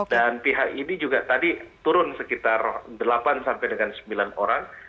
dan pihak idi juga tadi turun sekitar delapan sampai dengan sembilan orang